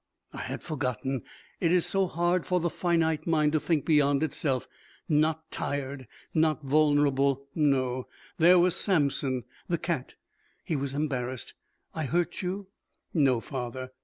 "I had forgotten. It is so hard for the finite mind to think beyond itself. Not tired. Not vulnerable. No. There was Samson the cat." He was embarrassed. "I hurt you?" "No, father."